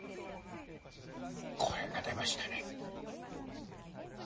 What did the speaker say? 声が出ましたね。